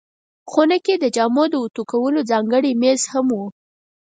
خونه کې د جامو د اوتو کولو ځانګړی مېز هم و.